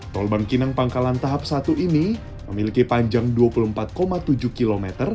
tol bangkinang pangkalan tahap satu ini memiliki panjang dua puluh empat tujuh km